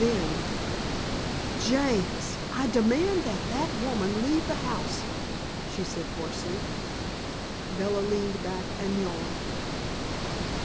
Then "James, I demand that that woman leave the house!" she said hoarsely. Bella leaned back and yawned.